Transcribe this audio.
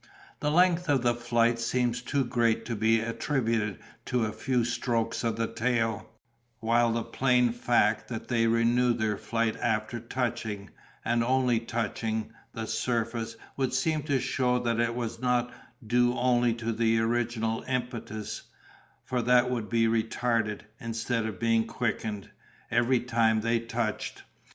The length of the flight seems too great to be attributed to a few strokes of the tail; while the plain fact that they renew their flight after touching, and only touching, the surface, would seem to show that it was not due only to the original impetus, for that would be retarded, instead of being quickened, every time they touched.